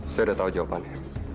saya udah tahu jawabannya